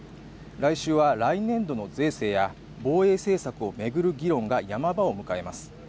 来週は来年度の税制や防衛政策を巡る議論がヤマ場を迎えます。